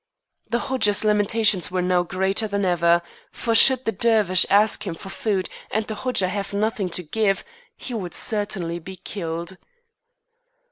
The Hodja's lamentations were now greater than ever; for should the Dervish ask him for food and the Hodja have nothing to give, he would certainly be killed.